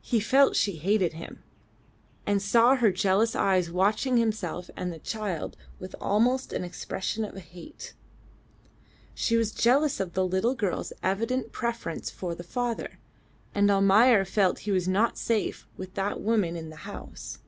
He felt she hated him, and saw her jealous eyes watching himself and the child with almost an expression of hate. She was jealous of the little girl's evident preference for the father, and Almayer felt he was not safe with that woman in the house.